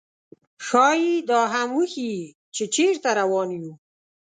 ښايي دا هم وښيي، چې چېرته روان یو.